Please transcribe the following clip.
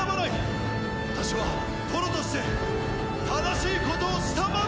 私は殿として正しいことをしたまでです！